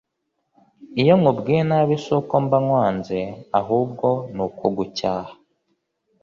Iyo nkubwiye nabi suko mba nkwanze ahubwo nukugucyaha